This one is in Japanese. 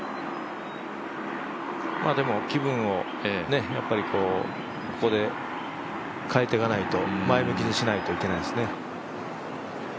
でも気分をここで変えていかないと前向きにしないといけないですね。